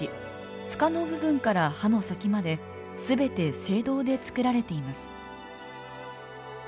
柄の部分から刃の先まで全て青銅で作られています。